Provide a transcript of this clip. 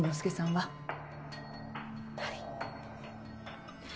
はい。